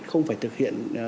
không phải thực hiện